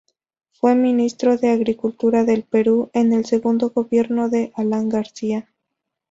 Fue Ministro de Agricultura del Perú en el segundo gobierno de Alan García.